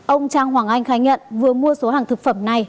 ông trang hoàng anh khai nhận vừa mua số hàng thực phẩm này